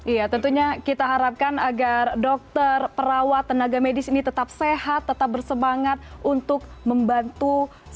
iya tentunya kita harapkan agar dokter perawat tenaga medis ini tetap sehat tetap bersemangat untuk membantu